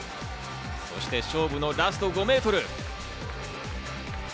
そして勝負のラスト５ｍ。